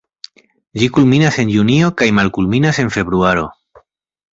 Ĝi kulminas en junio kaj malkulminas en februaro.